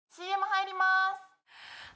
ＣＭ入ります！